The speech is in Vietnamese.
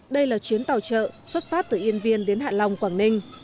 đây là chuyến tàu trợ xuất phát từ yên viên đến hạ long quảng ninh